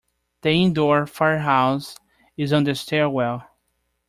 The indoor firehouse is on the stairwell.